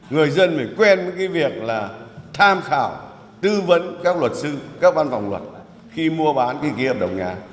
người dân phải quen với cái việc là tham khảo tư vấn các luật sư các văn phòng luật khi mua bán cái kia ở đồng nhà